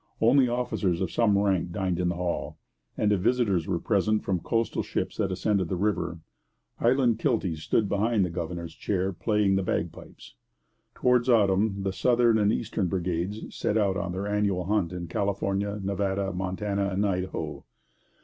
Only officers of some rank dined in the Hall; and if visitors were present from coastal ships that ascended the river, Highland kilties stood behind the governor's chair playing the bagpipes. Towards autumn the southern and eastern brigades set out on their annual hunt in California, Nevada, Montana, and Idaho.